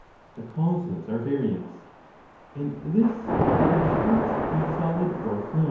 The causes are various ; and this whether the parts be solid or fluid.